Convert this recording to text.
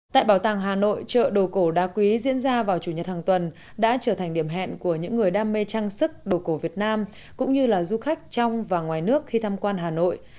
tại bảo tàng hà nội chợ đồ cổ đa quý diễn ra vào chủ nhật hàng tuần đã trở thành điểm hẹn của những người đam mê trang sức đồ cổ việt nam cũng như là du khách trong và ngoài nước khi tham quan hà nội